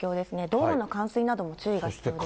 道路の冠水なども注意が必要です。